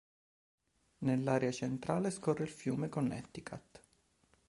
Nell'area centrale scorre il fiume Connecticut.